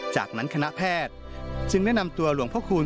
จากนั้นคณะแพทย์จึงได้นำตัวหลวงพระคูณ